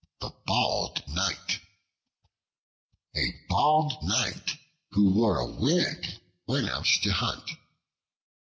The Bald Knight A BALD KNIGHT, who wore a wig, went out to hunt.